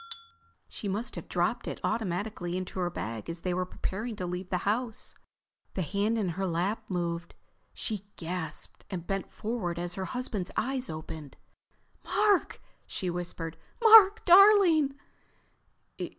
She must have dropped it automatically into her bag as they were preparing to leave the house. The hand in her lap moved. She gasped and bent forward as her husband's eyes opened. "Mark!" she whispered. "Mark, darling!"